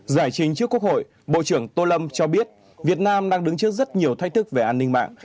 giải trình trước quốc hội bộ trưởng tô lâm cho biết việt nam đang đứng trước rất nhiều thay thức về công an